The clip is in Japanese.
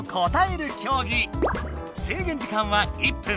制限時間は１分！